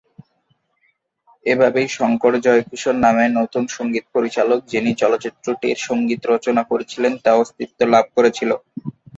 এভাবেই 'শঙ্কর-জয়কিশন' নামে নতুন সংগীত পরিচালক যিনি চলচ্চিত্রটির সংগীত রচনা করেছিলেন তা অস্তিত্ব লাভ করেছিল।